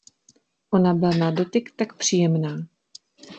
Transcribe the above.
Ona byla na dotyk tak příjemná.